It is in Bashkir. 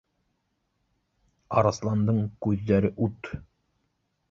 — Арыҫландың күҙҙәре ут